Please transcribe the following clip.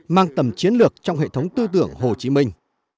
mang tầm chiến lược trong hệ thống tư tưởng hồ chí minh